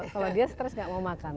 kalau dia stres nggak mau makan